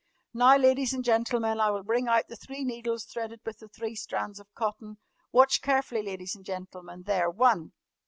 "Now, ladies and gentlemen, I will bring out the three needles threaded with the three strands of cotton. Watch carefully, ladies and gentlemen. There! One!